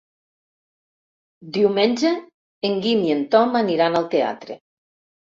Diumenge en Guim i en Tom aniran al teatre.